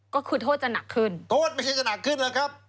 ก็คือโทษจะหนักขึ้นโทษไม่ใช่จะหนักขึ้นนะครับ